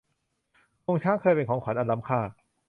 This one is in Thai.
งวงช้างเคยเป็นของขวัญอันล้ำค่า